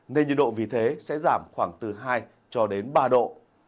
nền nhiệt độ vì thế sẽ giảm khoảng từ hai ba độ